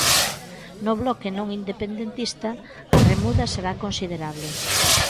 No bloque non independentista, a remuda será considerable.